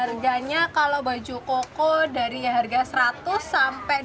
harganya kalau baju koko dari harga seratus sampai dua ratus